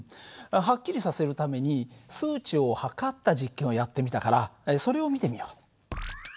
はっきりさせるために数値を測った実験をやってみたからそれを見てみよう。